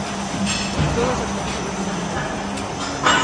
Todas as lecturas do mundo.